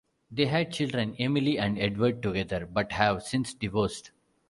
They had children Emily and Edward together, but have since divorced.